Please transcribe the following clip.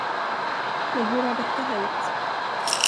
Men hur har detta hänt?